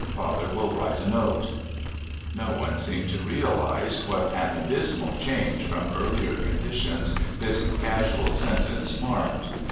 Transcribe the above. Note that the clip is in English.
Father will write a note." No one seemed to realise what an abysmal change from earlier conditions this casual sentence marked.